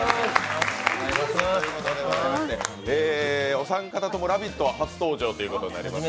お三方とも「ラヴィット！」は初登場ということになります。